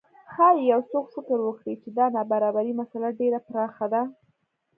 ښايي یو څوک فکر وکړي چې د نابرابرۍ مسئله ډېره پراخه ده.